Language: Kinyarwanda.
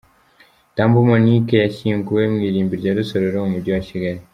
Tambo Monique yashyinguwe mu irimbi rya Rusororo mu Mujyi wa Kigali.